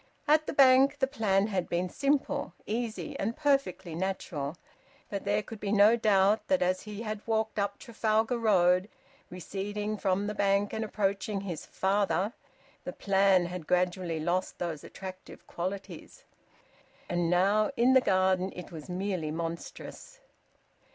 At the Bank the plan had been simple, easy, and perfectly natural. But there could be no doubt, that as he had walked up Trafalgar Road, receding from the Bank and approaching his father, the plan had gradually lost those attractive qualities. And now in the garden it was merely monstrous.